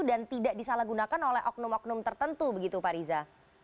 dan tidak disalahgunakan oleh oknum oknum tertentu begitu pak riza